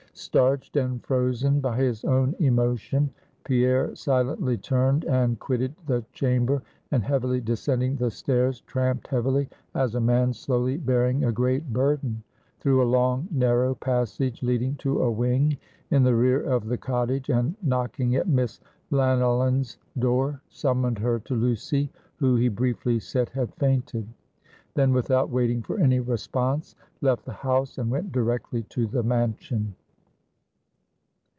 Starched and frozen by his own emotion, Pierre silently turned and quitted the chamber; and heavily descending the stairs, tramped heavily as a man slowly bearing a great burden through a long narrow passage leading to a wing in the rear of the cottage, and knocking at Miss Lanyllyn's door, summoned her to Lucy, who, he briefly said, had fainted. Then, without waiting for any response, left the house, and went directly to the mansion.